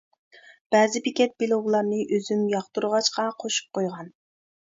بەزى بېكەت بىلوگلارنى ئۆزۈم ياقتۇرغاچقا قوشۇپ قويغان.